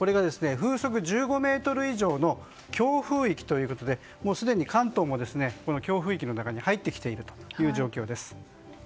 風速１５メートル以上の強風域ということでもうすでに関東も強風域の中に入ってきているという状況です。